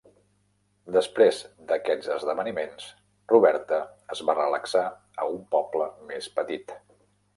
Després d"aquests esdeveniments, Roberta es va relaxar a un poble més petit.